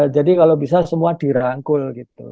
jadi kalau bisa semua dirangkul gitu